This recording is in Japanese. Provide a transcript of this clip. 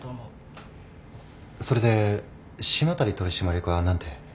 それで島谷取締役は何て？